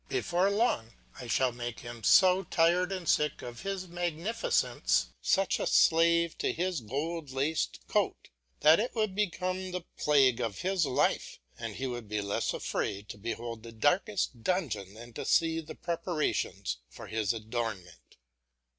Before long I should make him so tired and sick of his magnificence, such a slave to his gold laced coat, that it would become the plague of his life, and he would be less afraid to behold the darkest dungeon than to see the preparations for his adornment.